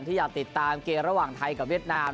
อยากติดตามเกมระหว่างไทยกับเวียดนาม